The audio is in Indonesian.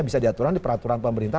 bisa diaturan di peraturan pemerintah